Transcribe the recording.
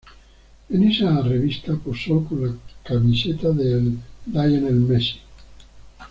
En esa revista posó con la camiseta de Lionel Messi.